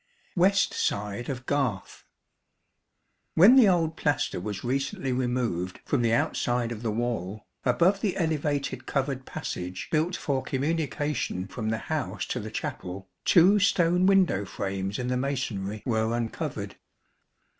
West Side of Garth. When the old plaster was recently removed from the outside of the wall, above the elevated covered passage built for communication from the house to the chapel, two stone window frames in the masonry were uncovered.